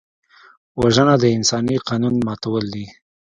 وژنه د انساني قانون ماتول دي